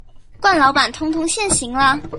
慣老闆通通現形啦